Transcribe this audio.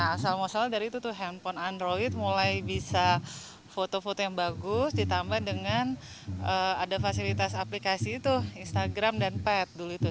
asal masalah dari itu tuh handphone android mulai bisa foto foto yang bagus ditambah dengan ada fasilitas aplikasi itu instagram dan pat dulu itu